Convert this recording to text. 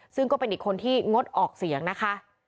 ซึ่งก็เป็นอีกคนที่งดออกเสียงนะคะ